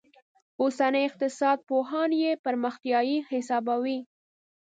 اوسني اقتصاد پوهان یې پرمختیايي حسابوي.